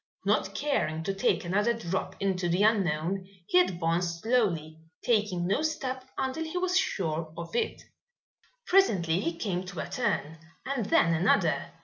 Not caring to take another drop into the unknown, he advanced slowly, taking no step until he was sure of it. Presently he came to a turn and then another.